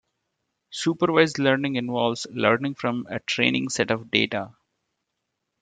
Supervised learning involves learning from a training set of data.